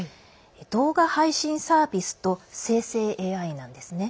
動画配信サービスと生成ＡＩなんです。